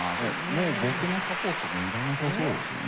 もう僕のサポートもいらなさそうですよね。